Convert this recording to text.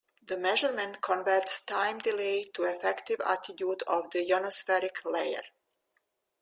The measurement converts time delay to effective altitude of the ionospheric layer.